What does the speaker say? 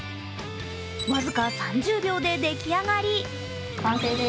僅か３０秒で出来上がり。